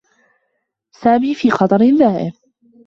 سامي في خطر دائم.